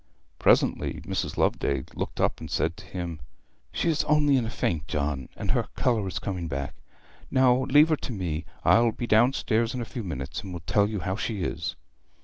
Presently Mrs. Loveday looked up and said to him, 'She is only in a faint, John, and her colour is coming back. Now leave her to me; I will be downstairs in a few minutes, and tell you how she is.'